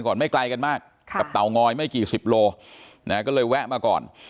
ไม่ไกลกันมากกับเตางอยไม่กี่สิบโลนะก็เลยแวะมาก่อน